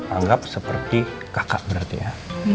anggap seperti kakak berarti ya